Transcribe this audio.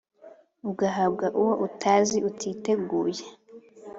ugahabwa uwo utazi utiteguye